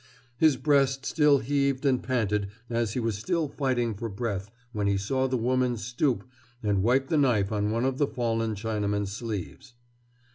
His breast still heaved and panted and he was still fighting for breath when he saw the woman stoop and wipe the knife on one of the fallen Chinaman's sleeves.